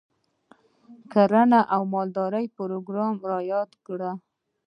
د کرنې او مالدارۍ پروګرام رایاد کړ.